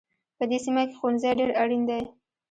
په دې سیمه کې ښوونځی ډېر اړین دی